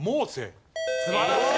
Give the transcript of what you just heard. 素晴らしい。